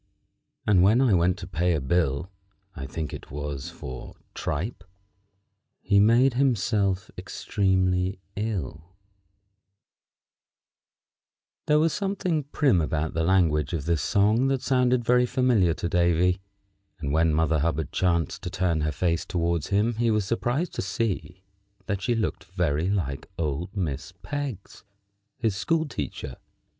_ And when I went to pay a bill (I think it was for tripe), He made himself extremely ill By smoking with a pipe. There was something about the prim language of this song that sounded very familiar to Davy, and when Mother Hubbard chanced to turn her face towards him he was surprised to see that she looked very like old Miss Peggs, his school teacher.